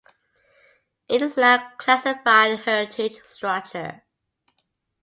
It is now classified a heritage structure.